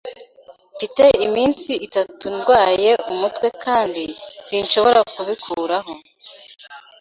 Mfite iminsi itatu ndwaye umutwe kandi sinshobora kubikuraho.